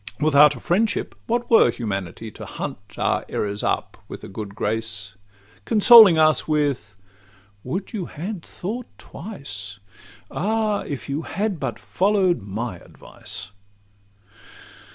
Without a friend, what were humanity, To hunt our errors up with a good grace? Consoling us with—'Would you had thought twice! Ah, if you had but follow'd my advice!